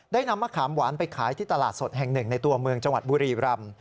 นำมะขามหวานไปขายที่ตลาดสดแห่งหนึ่งในตัวเมืองจังหวัดบุรีรำ